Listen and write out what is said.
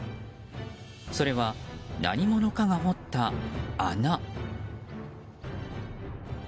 それは何者かが掘った穴。